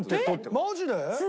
マジで？